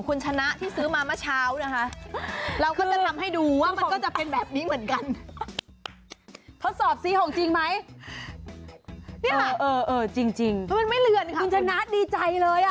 อันนี้คือลอตเตอรี่จากผู้เสียหาย